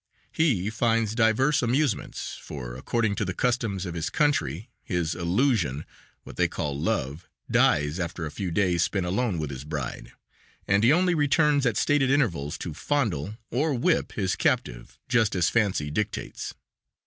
He finds divers amusements, for, according to the customs of his country, his "illusion" (what they call love) dies after a few days spent alone with his bride, and he only returns at stated intervals to fondle or whip his captive just as fancy dictates.